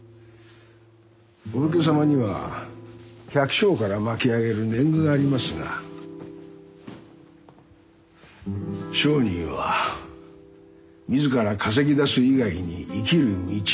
お武家様には百姓から巻き上げる年貢がありますが商人は自ら稼ぎ出す以外に生きる道はありません。